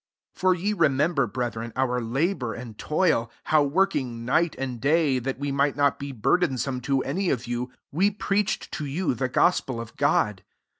9 For ye remember, breth ren, our labour and toil : how working night and day, that we might not be burdensome to any of you, we preached to you the gospel of God.